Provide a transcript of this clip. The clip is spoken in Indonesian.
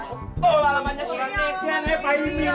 tuh alamatnya si yulian ya pak yulian